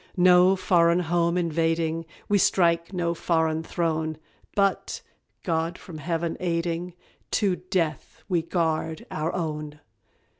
"No foreign Home invading, We strike no foreign throne; But, God from Heaven aiding, To death we guard OUR OWN."